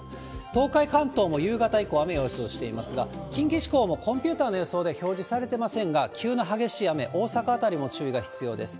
東海、関東も夕方以降、雨を予想していますが、近畿地方もコンピューターの予想では表示されてませんが、急な激しい雨、大阪辺りも注意が必要です。